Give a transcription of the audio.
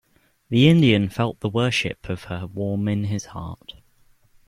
The Indian felt the worship of her warm in his heart.